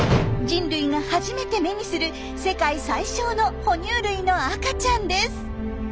人類が初めて目にする世界最小の哺乳類の赤ちゃんです。